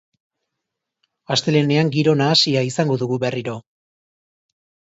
Astelehenean giro nahasia izango dugu berriro.